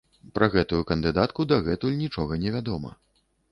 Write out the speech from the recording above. Пра гэтую кандыдатку дагэтуль нічога невядома.